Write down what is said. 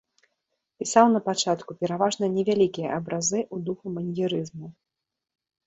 Пісаў напачатку пераважна невялікія абразы ў духу маньерызму.